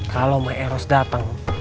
kalo maeros dateng